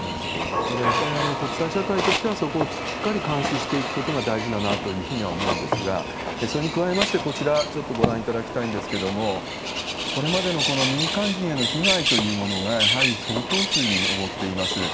ただ、やっぱり国際社会としては、そこをしっかり監視していくことが大事だなというふうには思うんですが、それに加えまして、こちら、ちょっとご覧いただきたいんですけれども、これまでのこの民間人への被害というものが、やはり相当数に上っています。